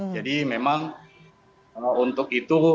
jadi memang untuk itu